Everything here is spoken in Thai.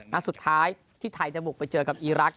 มาสุดท้ายที่ไทยแต่มูกไปเจอกับอีรัคร